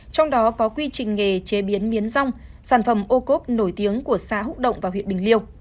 trong đó có quy trình nghề chế biến miến rong sản phẩm ô cốp nổi tiếng của xã hữu động và huyện bình liêu